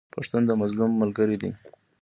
پښتون د مظلوم ملګری دی.